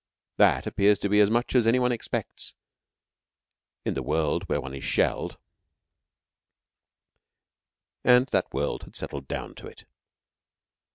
That appears to be as much as any one expects in the world where one is shelled, and that world has settled down to it.